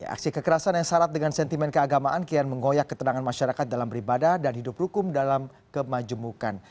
aksi kekerasan yang syarat dengan sentimen keagamaan kian menggoyak ketenangan masyarakat dalam beribadah dan hidup hukum dalam kemajemukan